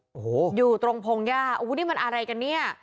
โอ้โหอยู่ตรงพงศ์ย่าอู้นี่มันอะไรกันนี่